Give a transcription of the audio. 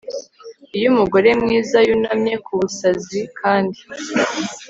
Iyo umugore mwiza yunamye kubusazi kandi